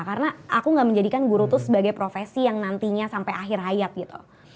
karena aku gak menjadikan guru tuh sebagai profesi yang nantinya sampai akhir hayat gitu